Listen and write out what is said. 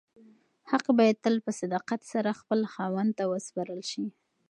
حق باید تل په صداقت سره خپل خاوند ته وسپارل شي.